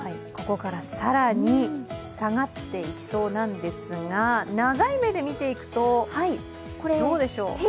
ここから更に下がっていきそうなんですが、長い目で見ていくとどうでしょう。